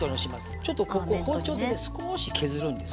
ちょっとここを包丁でねすこし削るんです。